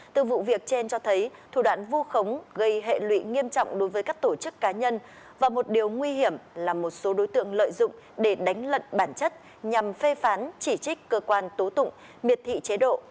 từ vụ việc trên cho thấy thủ đoạn vu khống gây hệ lụy nghiêm trọng đối với các tổ chức cá nhân và một điều nguy hiểm là một số đối tượng lợi dụng để đánh lận bản chất nhằm phê phán chỉ trích cơ quan tố tụng miệt thị chế độ